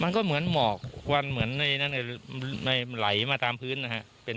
มันก็เหมือนหมอกควันเหมือนในไหลมาตามพื้นนะฮะ